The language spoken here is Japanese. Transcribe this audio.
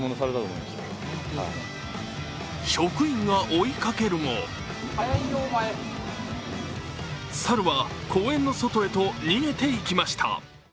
職員が追いかけるも猿は公園の外へと逃げていきました。